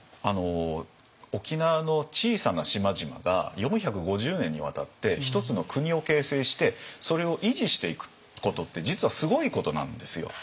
沖縄の小さな島々が４５０年にわたって一つの国を形成してそれを維持していくことって実はすごいことなんですよ。